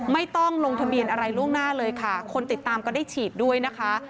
ไม่ต้องลงทะเบียนอะไรล่วงหน้าเลยค่ะคนติดตามก็ได้ฉีดด้วยนะคะ